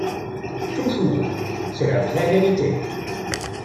Toujours, c’est la vraie vérité!